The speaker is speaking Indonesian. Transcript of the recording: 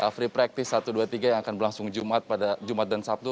free practice satu dua tiga yang akan berlangsung jumat dan sabtu